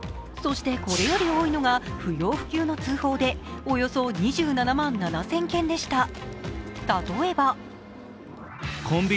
そして、これより多いのが不要不急の通報でおよそ２７万７０００件でした。